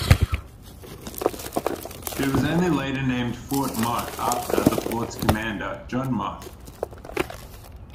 It was only later named Fort Mott, after, the fort's commander, John Mott.